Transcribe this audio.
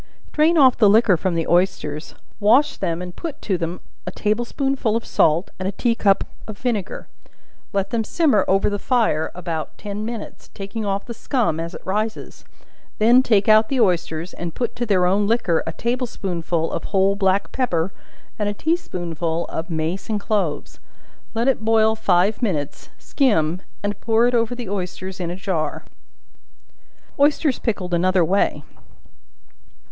Drain off the liquor from the oysters, wash them and put to them a table spoonful of salt, and a tea cup of vinegar; let them simmer over the fire about ten minutes, taking off the scum as it rises; then take out the oysters, and put to their own liquor a table spoonful of whole black pepper, and a tea spoonful of mace and cloves; let it boil five minutes, skim, and pour it over the oysters in a jar. Oysters Pickled another way.